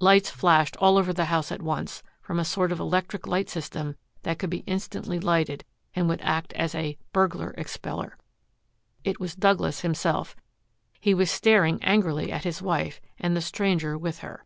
Lights flashed all over the house at once, from a sort of electric light system that could be instantly lighted and would act as a "burglar expeller." It was Douglas himself. He was staring angrily at his wife and the stranger with her.